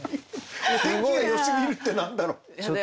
「お天気がよすぎる」って何だろう？